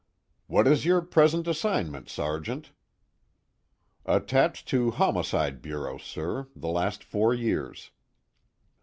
"What is your present assignment, Sergeant?" "Attached to Homicide Bureau, sir, the last four years."